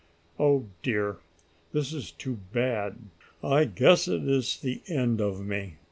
"Oh dear! This is too bad. I guess this is the end of me!"